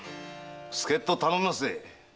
助っ人を頼みますぜ！